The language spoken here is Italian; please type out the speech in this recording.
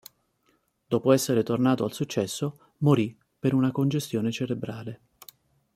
Dopo essere tornato al successo morì per una congestione cerebrale.